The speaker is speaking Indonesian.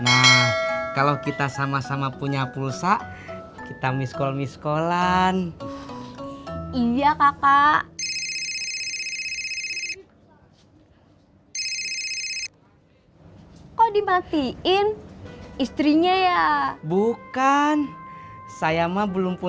agak trending sekarang ya cek